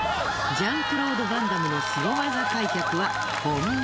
ジャン＝クロード・ヴァン・ダムのスゴ技開脚は本物。